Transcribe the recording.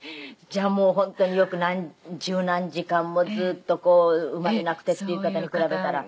じゃあもう本当によく十何時間もずっとこう生まれなくてっていう方に比べたら。